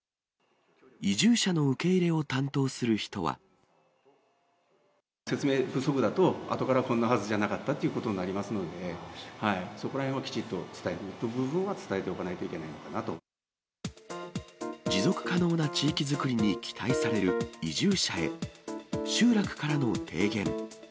移住者の受け入れを担当する説明不足だと、あとからこんなはずじゃなかったっていうことになりますので、そこらへんはきちっと伝えておく分は、伝えておかないといけない持続可能な地域づくりに期待される移住者へ、集落からの提言。